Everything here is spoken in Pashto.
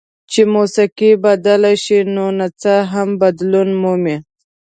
چې موسیقي بدله شي نو نڅا هم بدلون مومي.